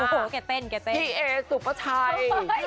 พี่เอสุประชัย